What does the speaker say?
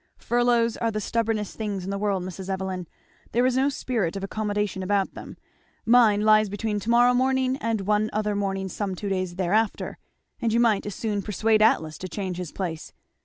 "Furloughs are the stubbornest things in the world, Mrs. Evelyn; there is no spirit of accommodation about them. Mine lies between to morrow morning and one other morning some two days thereafter; and you might as soon persuade Atlas to change his place.